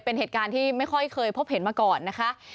เป็นเหตุการณ์ที่ไม่ค่อยเคยพบเห็นมาก่อนนะคะ